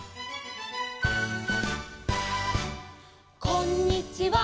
「こんにちは」